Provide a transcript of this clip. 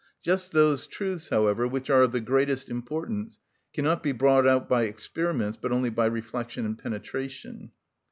Just those truths, however, which are of the greatest importance cannot be brought out by experiments, but only by reflection and penetration.